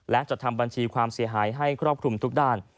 และจัดทำบัญชีความเสียหายให้ครอบคลุมทุกด้าน